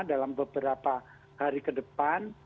dalam beberapa hari ke depan